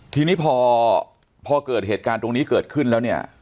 ทีนี้พอเกิดเหตุการณ์ตรงนี้เกิดขึ้นแล้วเนี่ย